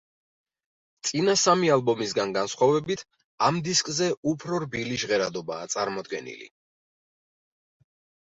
წინა სამი ალბომისგან განსხვავებით, ამ დისკზე უფრო რბილი ჟღერადობაა წარმოდგენილი.